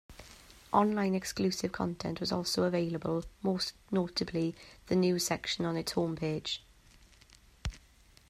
Online exclusive content was also available, most notably the news section on its homepage.